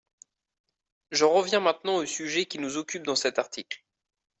J’en reviens maintenant au sujet qui nous occupe dans cet article.